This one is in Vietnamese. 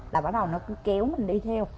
là bắt đầu nó cứ kéo mình đi theo